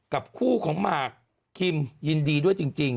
กับคู่ของหมากคิมยินดีด้วยจริง